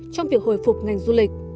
trong việc hồi phục ngành du lịch